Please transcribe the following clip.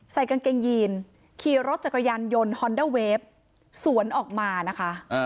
ใส่กางเกงยีนขี่รถจักรยานยนต์ฮอนเดอร์เวฟสวนออกมานะคะ